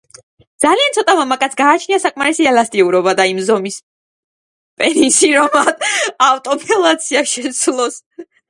ძალიან ცოტა მამაკაცს გააჩნია საკმარისი ელასტიურობა და იმ ზომის პენისი, რომ ავტოფელაცია შესძლოს.